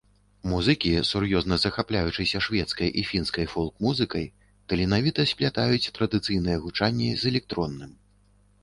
Музыкі, сур'ёзна захапляючыся шведскай і фінскай фолк-музыкай, таленавіта сплятаюць традыцыйнае гучанне з электронным.